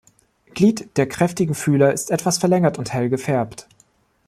Glied der kräftigen Fühler ist etwas verlängert und hell gefärbt.